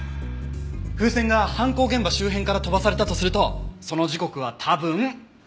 風船が犯行現場周辺から飛ばされたとするとその時刻は多分。